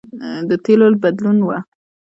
یوه لوحه د وین د تیلو د بدلون وه